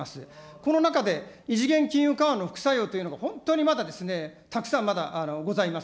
この中で、異次元金融緩和の副作用というのが本当にまだ、たくさんまだございます。